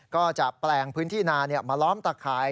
ก็จะแปลงพื้นที่นามาล้อมตะข่าย